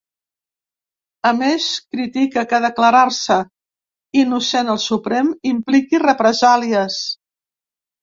A més, critica que declarar-se innocent al Suprem impliqui represàlies.